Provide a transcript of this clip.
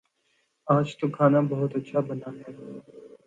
آج تو کھانا بہت اچھا بنا ہے